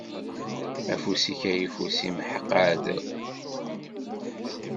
Afus-ik ayeffus imḥeq aɛdaw.